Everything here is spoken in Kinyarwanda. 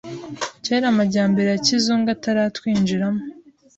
Kera amajyambere ya kizungu ataratwinjiramo